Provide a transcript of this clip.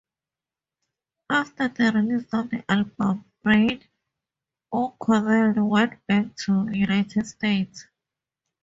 After the release of the album Brian O'Connell went back to United States.